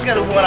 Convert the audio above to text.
aku mau pergi